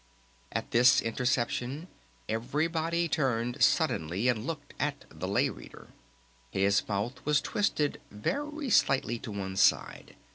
At this interception everybody turned suddenly and looked at the Lay Reader. His mouth was twisted very slightly to one side.